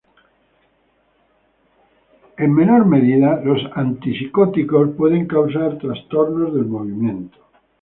En menor medida, los antipsicóticos pueden causar trastornos del movimiento.